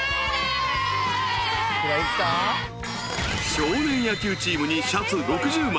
［少年野球チームにシャツ６０枚。